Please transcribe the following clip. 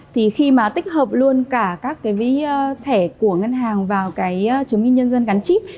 thì khi mà tích hợp luôn cả các cái thẻ của ngân hàng vào cái chứng minh nhân dân gắn chip